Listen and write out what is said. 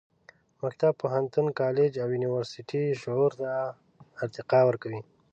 مکتب، پوهنتون، کالج او یونیورسټي شعور ته ارتقا ورکوي.